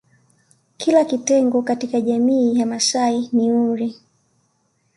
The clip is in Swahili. Kila kitengo katika jamiii ya Wamasai ni umri